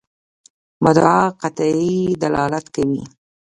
مدعا قطعي دلالت کوي.